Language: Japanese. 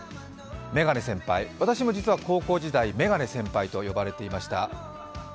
メガネ先輩、私も実は高校時代、メガネ先輩と呼ばれていました。